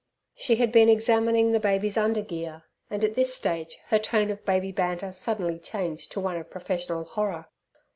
She had been examining the baby's undergear, and at this stage her tone of baby banter suddenly changed to one of professional horror.